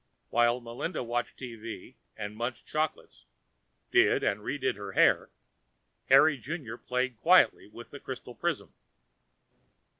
While Melinda watched TV and munched chocolates, did and re did her hair, Harry Junior played quietly with the crystal prism.